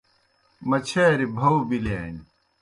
مچھاریْ بھاؤ بِلِیانیْ۔